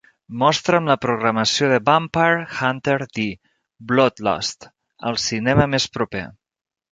Mostra'm la programació de Vampire Hunter D: Bloodlust al cinema més proper